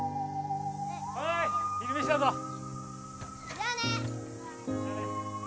じゃあね。